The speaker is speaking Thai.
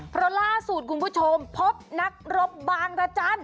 เพราะล่าสุดคุณผู้ชมพบนักรบบางรจันทร์